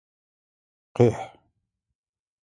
Къихь!